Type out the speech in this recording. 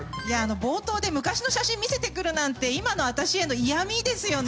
冒頭で昔の写真見せてくるなんて今の私への嫌みですよね。